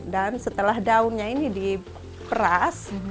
dan setelah daunnya ini diperas